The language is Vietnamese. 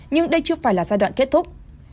nhưng đây chưa phải là giai đoạn kết thúc